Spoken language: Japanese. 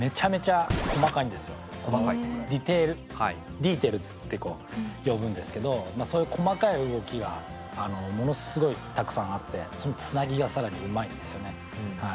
ディーテルズって呼ぶんですけどそういう細かい動きがものすごいたくさんあってそのつなぎが更にうまいんですよね。